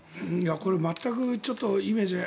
これ、全くちょっとイメージが。